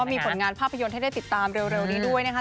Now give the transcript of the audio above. มีผลงานภาพยนตร์ให้ได้ติดตามเร็วนี้ด้วยนะคะ